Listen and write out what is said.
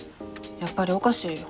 やっぱりおかしいよ。